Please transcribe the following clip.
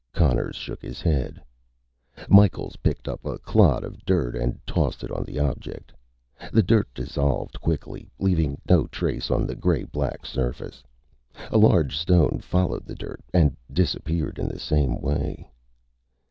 Conners shook his head. Micheals picked up a clod of dirt and tossed it on the object. The dirt dissolved quickly, leaving no trace on the gray black surface. A large stone followed the dirt, and disappeared in the same way.